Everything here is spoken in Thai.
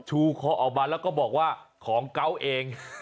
ชูคอออกมาแล้วก็บอกว่าของเกาะเอง